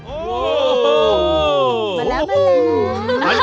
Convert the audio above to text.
โอ้โหมาแล้วมาแล้ว